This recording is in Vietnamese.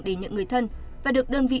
để nhận người thân và được đơn vị